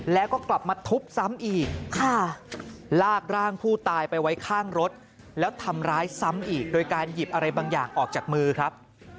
แล้วก็กลับมาทุบซ้ำอีกลากร่างผู้ตายไปไว้ข้างรถแล้วทำร้ายซ้ำอีกโดยการหยิบอะไรบางอย่างออกจากมือครับ